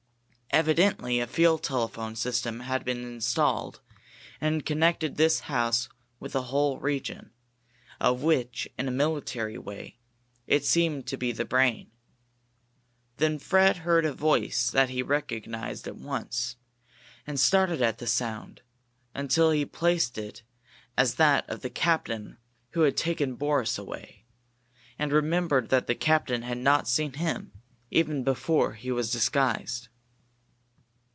Evidently a field telephone system had been installed and connected this house with a whole region, of which, in a military way, it seemed to be the brain. Then Fred heard a voice that he recognized at once, and started at the sound, until he placed it as that of the captain who had taken Boris away, and remembered that the captain had not seen him, even before he was disguised.